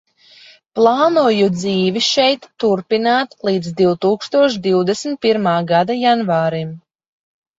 Plānoju dzīvi šeit turpināt līdz divtūkstoš divdesmit pirmā gada janvārim.